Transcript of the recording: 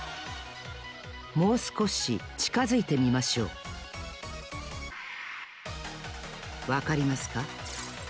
もうすこしちかづいてみましょうわかりますか？